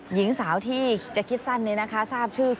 หญิงสาวที่จะคิดสั้นโนะครับ